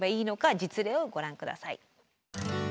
実例をご覧下さい。